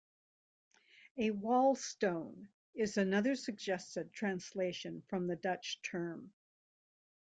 A "wall stone" is another suggested translation from the Dutch term.